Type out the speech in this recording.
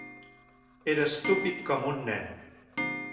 Era estúpid com un nen.